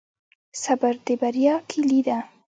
صبر د بریا کیلي ده؟